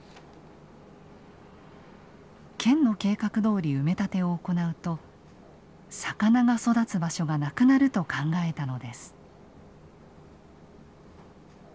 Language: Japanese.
県の計画どおり埋め立てを行うと魚が育つ場所がなくなると考えたのです。